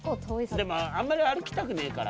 でもあんまり歩きたくねえから。